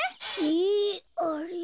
えあれ？